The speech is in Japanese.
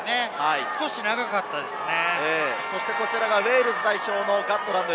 少し長かったですね。